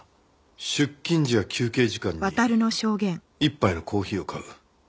出勤時や休憩時間に１杯のコーヒーを買う。